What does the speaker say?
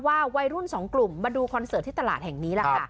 วัยรุ่นสองกลุ่มมาดูคอนเสิร์ตที่ตลาดแห่งนี้แหละค่ะ